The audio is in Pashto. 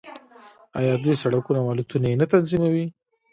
آیا دوی سړکونه او الوتنې نه تنظیموي؟